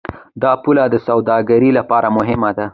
دا پوله د سوداګرۍ لپاره مهمه ده.